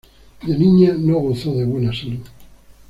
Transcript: De niña no gozó de buena salud.